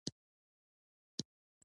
افغانانو ته لازمه ده چې سترګې وغړوي.